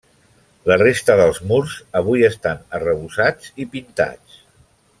La resta dels murs avui estan arrebossats i pintats.